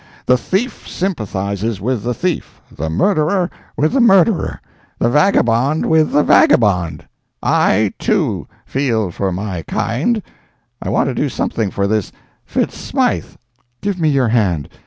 The thief sympathizes with the thief, the murderer with the murderer, the vagabond with the vagabond: I, too, feel for my kind—I want to do something for this Fitz Smythe—' "Give me your hand!